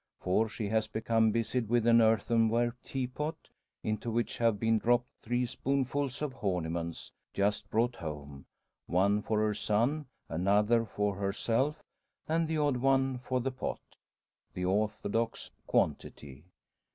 For she has become busied with an earthenware teapot, into which have been dropped three spoonfuls of "Horniman's" just brought home one for her son, another for herself, and the odd one for the pot the orthodox quantity.